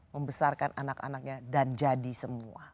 membesarkan anak anaknya dan jadi semua